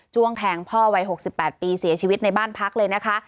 ้วงแทงพ่อวัย๖๘ปีเสียชีวิตในบ้านพักเลยนะคะ